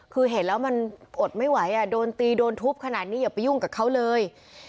คือเห็นแล้วมันอดไม่ไหวโดนตีโดนทุบขนาดนี้อย่าไปยุ่งกับเขาเลย